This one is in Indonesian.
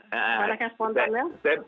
bagaimana kan spontannya